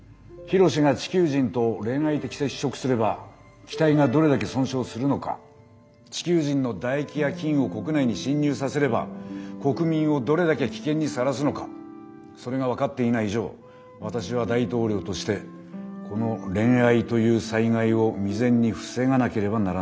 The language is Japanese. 緋炉詩が地球人と恋愛的接触すれば機体がどれだけ損傷するのか地球人の唾液や菌を国内に侵入させれば国民をどれだけ危険にさらすのかそれが分かっていない以上私は大統領としてこの「恋愛」という災害を未然に防がなければならないんです。